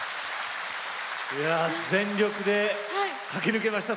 全力で駆け抜けました。